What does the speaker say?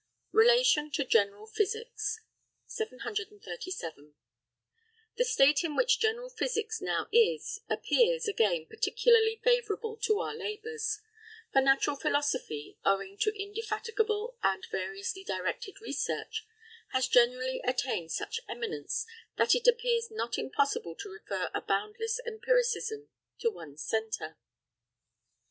RELATION TO GENERAL PHYSICS. 737. The state in which general physics now is, appears, again, particularly favourable to our labours; for natural philosophy, owing to indefatigable and variously directed research, has gradually attained such eminence, that it appears not impossible to refer a boundless empiricism to one centre.